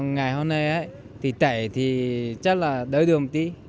ngày hôm nay ấy thì tẩy thì chắc là đỡ được một tí